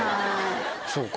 そうか。